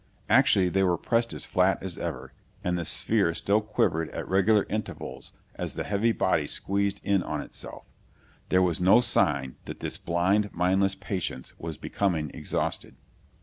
Actually they were pressed as flat as ever, and the sphere still quivered at regular intervals as the heavy body squeezed in on itself. There was no sign that its blind, mindless patience was becoming exhausted.